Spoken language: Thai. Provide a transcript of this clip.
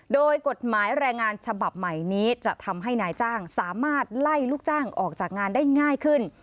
โดยกฎหมายแรงงานฉบับใหม่นี้จะทำให้นายจ้างสามารถไล่ลูกจ้างออกจากงานได้ง่ายขึ้น